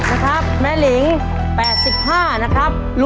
มณม๙๑นะครับแม่หลิง๘๕นะครับ